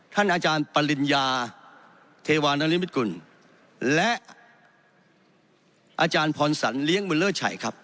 อาจารย์ปริญญาเทวานริมิตกุลและอาจารย์พรสันเลี้ยงบุญเลิศชัยครับ